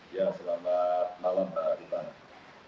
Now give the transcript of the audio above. ya selamat malam pak arifan